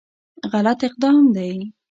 غلط اقدام دی.